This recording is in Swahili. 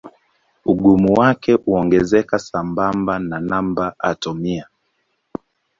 Ugumu wake huongezeka sambamba na namba atomia.